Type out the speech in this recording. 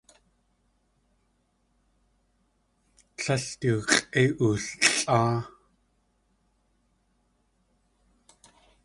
Tlél du x̲ʼéi oollʼáa.